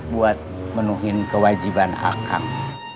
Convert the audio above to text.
buat menuhin kewajiban akang